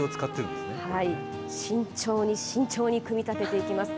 慎重に、慎重に組み立てていきます。